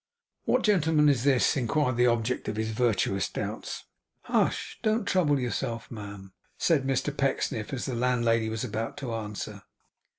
'What gentleman is this?' inquired the object of his virtuous doubts. 'Hush! don't trouble yourself, ma'am,' said Mr Pecksniff, as the landlady was about to answer.